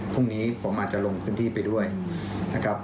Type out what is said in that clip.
พรุ่งนี้ผมอาจจะลงพื้นที่ไปด้วยนะครับ